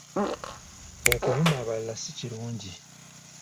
Okuvuma abalala si kirungi.